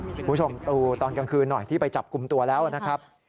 คุณผู้ชมดูตอนกลางคืนหน่อยที่ไปจับกลุ่มตัวแล้วนะครับ